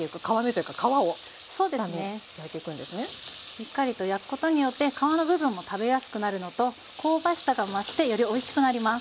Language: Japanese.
しっかりと焼くことによって皮の部分も食べやすくなるのと香ばしさが増してよりおいしくなります。